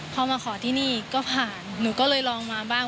พอมาขอที่นี่ก็ผ่านหนูก็เลยลองมาบ้าง